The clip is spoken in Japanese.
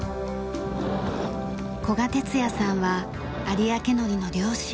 古賀哲也さんは有明海苔の漁師。